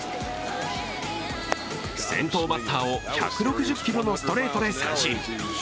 先頭バッターを１６０キロのストレートで三振。